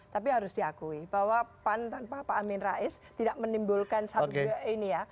tapi harus diakui bahwa pan tanpa pak amin rais tidak menimbulkan satu ini ya